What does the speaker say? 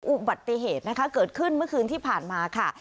อุบัติเหตุนะคะเกิดขึ้นเมื่อคืนที่ผ่านมาค่ะ